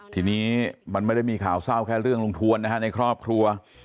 ทีนี้มันไม่ได้ข่าวแค่เรื่องลุงทวนนะครับในครอบครัว